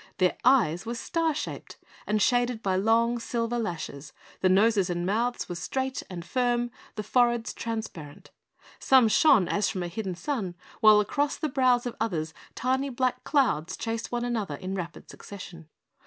Their eyes were star shaped and shaded by long, silver lashes, the noses and mouths were straight and firm, the foreheads transparent. Some shone as from a hidden sun, while across the brows of others tiny black clouds chased one another in rapid succession.